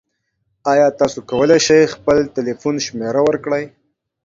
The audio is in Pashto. ایا تاسو کولی شئ خپل تلیفون شمیره ورکړئ؟